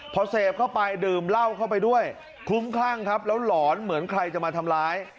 พอเสพเข้าไปดื่มเหล้าเข้าไปด้วยคลุ้มคลั่งครับแล้วหลอนเหมือนใครจะมาทำร้าย